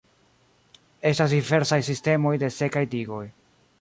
Estas diversaj sistemoj de sekaj digoj.